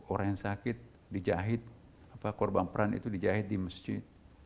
orang yang sakit dijahit korban peran itu dijahit di masjid